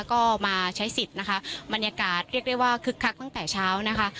ก็มาใช้สิทธิ์นะคะบรรยากาศเรียกได้ว่าคึกคักตั้งแต่เช้านะคะ